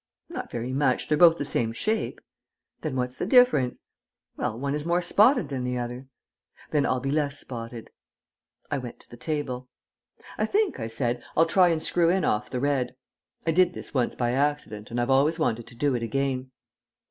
"Not very much. They're both the same shape." "Then what's the difference?" "Well, one is more spotted than the other." "Then I'll be less spotted." I went to the table. "I think," I said, "I'll try and screw in off the red." (I did this once by accident and I've always wanted to do it again.)